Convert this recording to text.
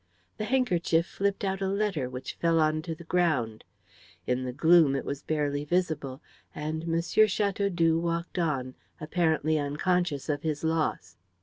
The handkerchief flipped out a letter which fell onto the ground. In the gloom it was barely visible; and M. Chateaudoux walked on, apparently unconscious of his loss.